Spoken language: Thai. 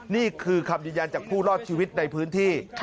นี่คือคำยืนยันจากผู้รอดชีวิตในพื้นที่